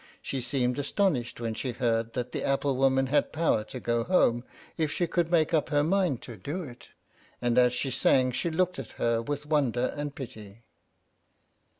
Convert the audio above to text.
She seemed astonished when she heard that the apple woman had power to go home if she could make up her mind to do it; and as she sang she looked at her with wonder and pity.